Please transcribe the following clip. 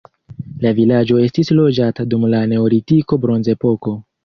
La vilaĝo estis loĝata dum la neolitiko bronzepoko.